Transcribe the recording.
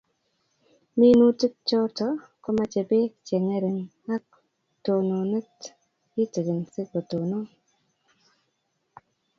Minutik chotok komache peek che ngering' ak tononet kitigin si kotonon